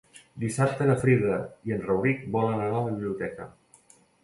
Dissabte na Frida i en Rauric volen anar a la biblioteca.